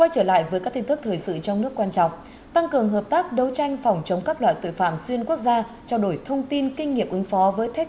hãy đăng ký kênh để ủng hộ kênh của chúng mình nhé